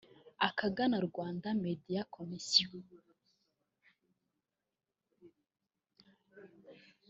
akagana Rwanda Media Commission